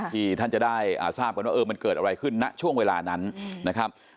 ที่ท่านจะได้ทราบกันว่ามันเกิดอะไรขึ้นณช่วงเวลานั้นนะครับ